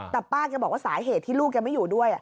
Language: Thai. แต่ป้าแกบอกว่าสาเหตุที่ลูกแกไม่อยู่ด้วย